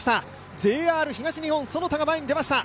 ＪＲ東日本・其田が前に出ました。